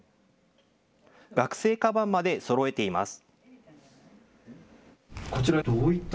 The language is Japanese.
学生カバンまでそろえています。